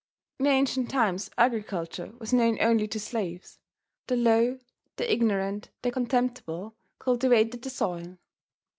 In ancient times agriculture was known only to slaves. The low, the ignorant, the contemptible, cultivated the soil.